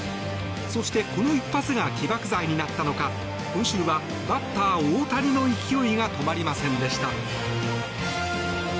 そして、この一発が起爆剤になったのか今週はバッター大谷の勢いが止まりませんでした。